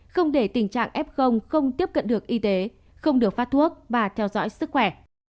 không để tình trạng f không tiếp cận được y tế không được phát thuốc và theo dõi sức khỏe